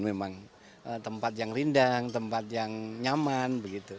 memang tempat yang rindang tempat yang nyaman